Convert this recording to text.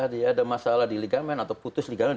dia ada masalah di ligamen atau putus ligamen